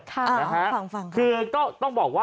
ค่ะฟังค่ะนี่คือต้องบอกว่า